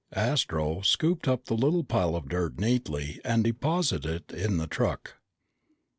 Astro scooped up the little pile of dirt neatly and deposited it in the truck.